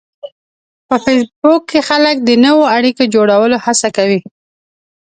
په فېسبوک کې خلک د نوو اړیکو جوړولو هڅه کوي